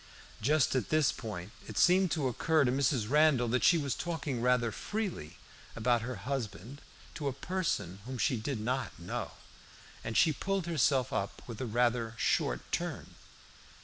Just at this point it seemed to occur to Mrs. Randall that she was talking rather freely about her husband to a person whom she did not know, and she pulled herself up with a rather short turn.